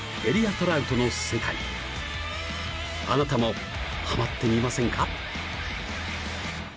トラウトの世界あなたもハマってみませんか？